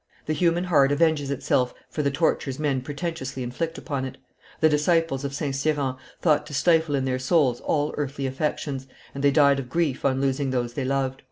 The human heart avenges itself for the tortures men pretentiously inflict upon it: the disciples of St. Cyran thought to stifle in their souls all earthly affections, and they died of grief on losing those they loved.